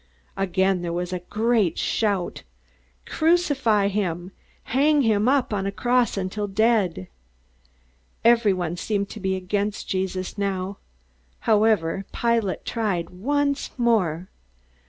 Again there was a great shout: "Crucify him! Hang him up on a cross till he is dead!" Everyone seemed to be against Jesus now. However, Pilate tried once more.